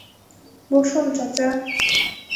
বসুন, চাচা।